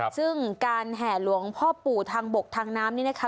ซึ่งการแห่หลวงพ่อปู่ทางบกทางน้ำนี่นะคะ